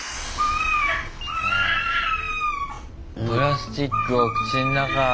プラスチックを口の中。